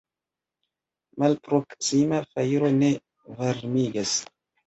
Malproksima fajro ne varmigas.